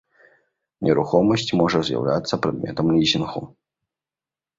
Нерухомасць можа з'яўляцца прадметам лізінгу.